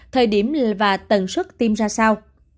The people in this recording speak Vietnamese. thời điểm và tầng suất tiêm ra sao